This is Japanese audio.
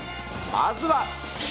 まずは。